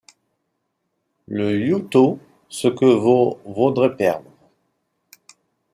Ie ioue tot ce que vos vodrez peirdre…